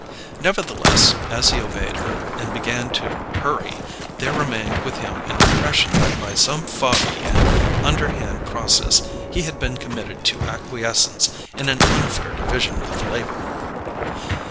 Nevertheless, as he obeyed her, and began to "hurry," there remained with him an impression that by some foggy and underhand process he had been committed to acquiescence in an unfair division of labour.